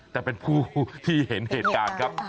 แต่เป็นผู้ที่เห็นเหตุการณ์ครับ